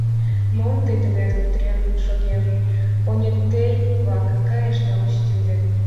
Мом тый денет кутырен шогем, понетей-влак, кайышна учитель дек!